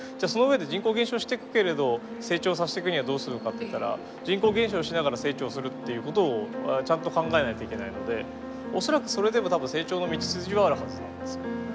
その上で人口減少していくけれど成長させていくにはどうするかっていったら人口減少しながら成長するっていうことをちゃんと考えないといけないので恐らくそれでも多分成長の道筋はあるはずなんです。